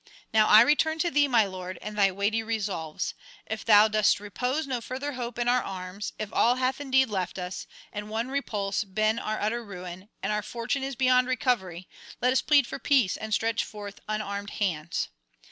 Now I return to thee, my lord, and thy weighty resolves. If thou dost repose no further hope in our arms, if all hath indeed left us, and one repulse been our utter ruin, and our fortune is beyond recovery, let us plead for peace and stretch forth unarmed hands.